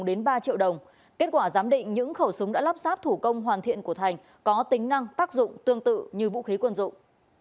đến ba triệu đồng kết quả giám định những khẩu súng đã lắp sáp thủ công hoàn thiện của thành có tính năng tác dụng tương tự như vũ khí quân dụng